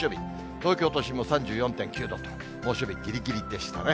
東京都心も３４．９度と、猛暑日ぎりぎりでしたね。